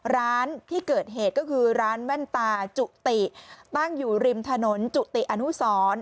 ร้านที่เกิดเหตุก็คือร้านแว่นตาจุติตั้งอยู่ริมถนนจุติอนุสร